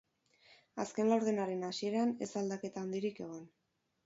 Azken laurdenaren hasieran ez da aldaketa handirik egon.